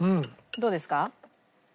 どうですか？